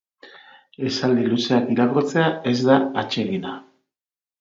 Esaldi luzeak irakurtzea ez da atsegina.